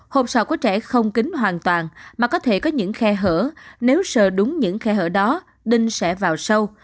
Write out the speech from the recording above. hôm sau của trẻ không kính hoàn toàn mà có thể có những khe hở nếu sờ đúng những khe hở đó đinh sẽ vào sâu